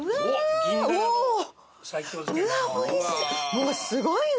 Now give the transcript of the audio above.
もうすごいの！